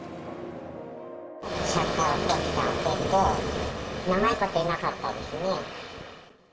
シャッターをこうして開けて、長いこといなかったんですよね。